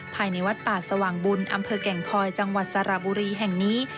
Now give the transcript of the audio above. ภายในวัดป่าสว่างบุญอำเภอแก่งคอยจังหวัดสระบุรีแห่งนี้